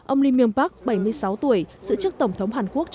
ông lee myung pak bảy mươi sáu tuổi giữ chức tổng thống hàn quốc